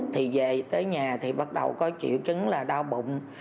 thì về tới nhà thì bắt đầu có triệu chứng là đau bụng